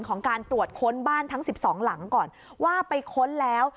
การตรวจค้นบ้านทั้ง๑๒หลังก่อนว่าไปค้นแล้ว